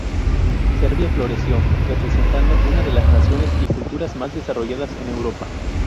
Serbia floreció, representando una de las naciones y culturas más desarrolladas en Europa.